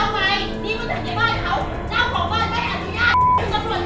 มันมาทำความผิดปั๊มไหม